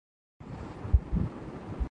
مسلم لیگ کے نام پر کیا خوب